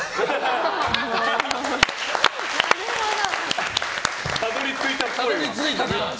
なるほど。